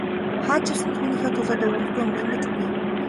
Хаа ч явсан түүнийхээ төлөө дуугарахгүй өнгөрнө гэж үгүй.